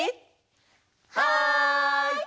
はい！